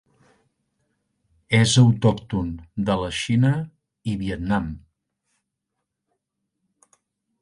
És autòcton de la Xina i Vietnam.